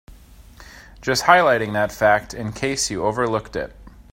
Just highlighting that fact in case you overlooked it.